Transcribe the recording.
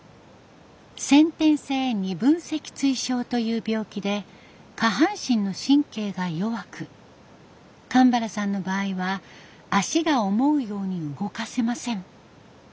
先天性二分脊椎症という病気で下半身の神経が弱くかんばらさんの場合は足が思うように動かせません。